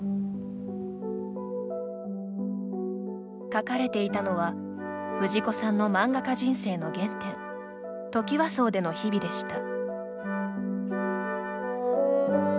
描かれていたのは藤子さんの漫画家人生の原点トキワ荘での日々でした。